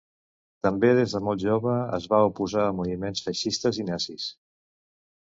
També, des de molt jove, es va oposar als moviments feixistes i nazis.